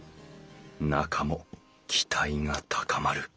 中も期待が高まる。